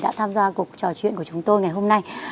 đã tham gia cuộc trò chuyện của chúng tôi ngày hôm nay